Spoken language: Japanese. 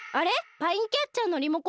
パインキャッチャーのリモコン